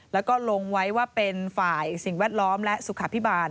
แล้วก็ลงไว้ว่าเป็นฝ่ายสิ่งแวดล้อมและสุขภิบาล